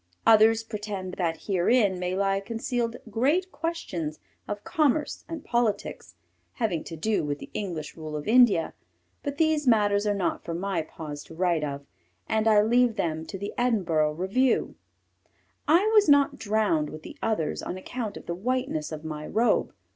Others pretend that herein may lie concealed great questions of commerce and politics, having to do with the English rule of India, but these matters are not for my paws to write of and I leave them to the Edinburgh Review. I was not drowned with the others on account of the whiteness of my robe.